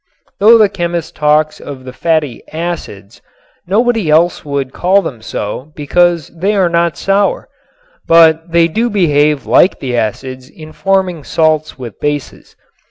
Though the chemist talks of the fatty "acids," nobody else would call them so because they are not sour. But they do behave like the acids in forming salts with bases.